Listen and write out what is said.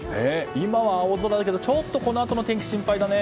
今は、青空だけどこのあとの天気が心配だね。